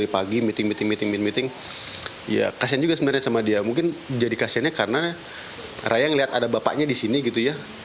ini aku tuh disini harus gitu